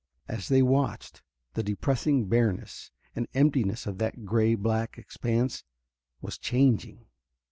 And as they watched, the depressing bareness and emptiness of that gray black expanse was changing.